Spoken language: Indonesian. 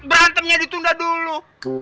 berantemnya ditunda dulu